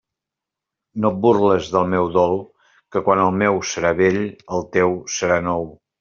No et burles del meu dol, que quan el meu serà vell, el teu serà nou.